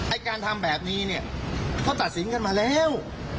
ไอ้การทำแบบนี้เนี่ยเขาตัดสินกันมาแล้ว